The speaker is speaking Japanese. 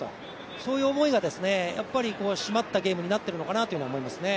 そういう思いが締まったゲームになっているのかなと思いますね。